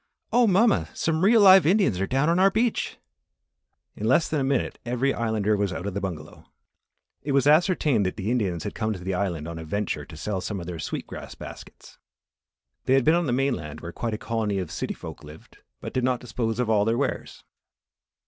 "Oh, mamma! Some real live Indians are down on our beach." In less than a minute every Islander was out of the bungalow. It was ascertained that the Indians had come to the Island on a venture to sell some of their sweet grass baskets. They had been on the mainland where quite a colony of city folk lived, but did not dispose of all their wares.